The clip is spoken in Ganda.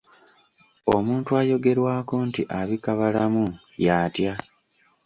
Omuntu ayogerwako nti abika balamu y'atya?